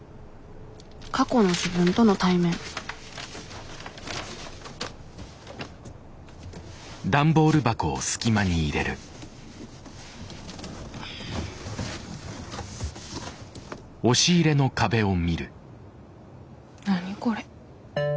過去の自分との対面何これ。